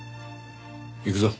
行くぞ。